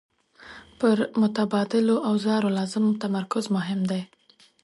پر متبادلو اوزارو لازم تمرکز مهم دی.